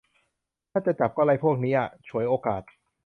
กับถ้าจะจับก็ไล่พวกนี้อะ ฉวยโอกาส